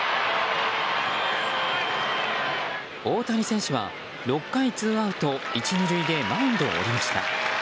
大谷選手は６回ツーアウト１、２塁でマウンドを降りました。